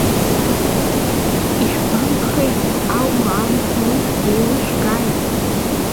Ишәгәамԥхеи, аума амҳәои, еилышәымкааи?!